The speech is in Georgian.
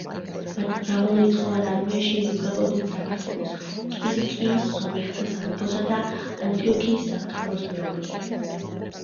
მათ მრავალრიცხოვან არმიაში ირიცხებოდნენ საქართველოს, კილიკიის სომეხთა სამეფოსა და ანტიოქიის სამთავროს მეომრები.